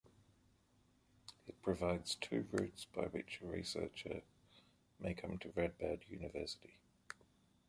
It provides two routes by which a researcher may come to Radboud University.